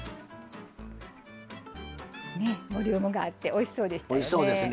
ボリュームがあっておいしそうでしたね。